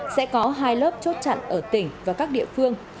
sẽ có hai lớp chốt chặn ở tỉnh và các địa phương